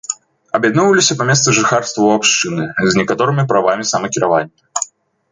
Аб'ядноўваліся па месцы жыхарства ў абшчыны з некаторымі правамі самакіравання.